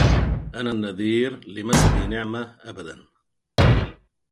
أنا النذير لمسدي نعمة أبدا